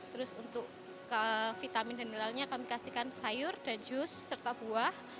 terus untuk vitamin dan mineralnya kami kasihkan sayur dan jus serta buah